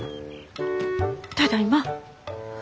ただいま。